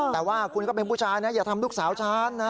แต่ว่าคุณก็เป็นผู้ชายนะอย่าทำลูกสาวฉันนะ